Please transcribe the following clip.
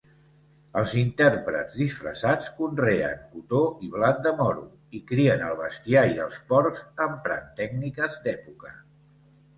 Els intèrprets disfressats conreen cotó i blat de moro i crien el bestiar i els porcs emprant tècniques d'època.